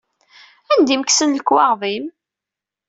Anda i m-kksen lekwaɣeḍ-im?